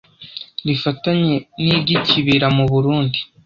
rifatanye n’iry’Ikibira mu Burundi.